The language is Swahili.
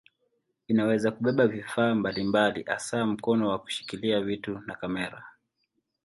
Inaweza kubeba vifaa mbalimbali hasa mkono wa kushikilia vitu na kamera.